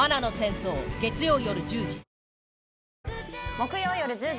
木曜夜１０時。